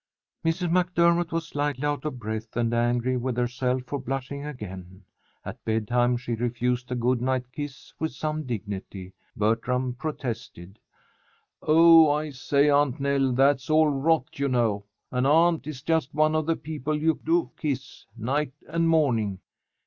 Mrs. MacDermott was slightly out of breath and angry with herself for blushing again. At bedtime she refused a good night kiss with some dignity. Bertram protested. "Oh, I say, Aunt Nell, that's all rot, you know. An aunt is just one of the people you do kiss, night and morning."